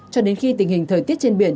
cho đến khi tình hình thời tiết trên biển